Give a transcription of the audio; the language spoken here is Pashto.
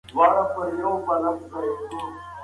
کمپيوټر د انټرنيټ مصرف ښيي.